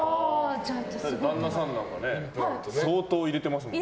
旦那さんなんかね相当入れてますもんね。